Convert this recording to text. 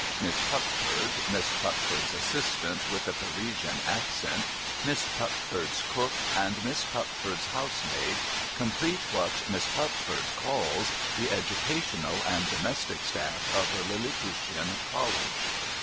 Miss Pupford, Miss Pupford's assistant with the Parisian accent. Miss Pupford's cook, and Miss Pupford's housemaid, complete what Miss Pupford calls the educational and domestic staff of her Lilliputian College.